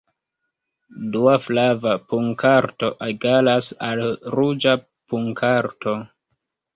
Dua flava punkarto egalas al ruĝa punkarto.